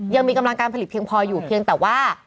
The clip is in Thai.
ยังมีกำลังการผลิตเพียงพออยู่เพียงแต่ว่า